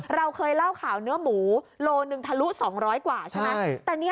เราเคยเล่าข่าวเนื้อหมูโลหนึ่งทะลุ๒๐๐กว่าใช่ไหม